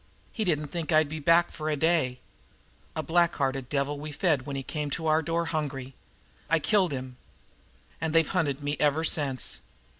He didn't think I'd be back for a day a black hearted devil we'd fed when he came to our door hungry. I killed him. And they've hunted me ever since.